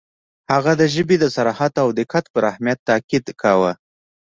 • هغه د ژبې د صراحت او دقت پر اهمیت تأکید کاوه.